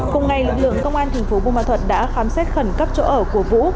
cùng ngày lực lượng công an thành phố bù ma thuật đã khám xét khẩn cấp chỗ ở của vũ